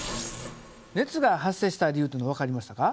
熱が発生した理由というのは分かりましたか？